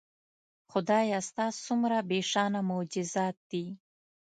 خدایه ستا څومره بېشانه معجزات دي